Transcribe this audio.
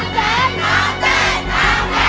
๓แสน